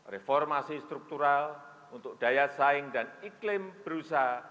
reformasi struktural untuk daya saing dan iklim berusaha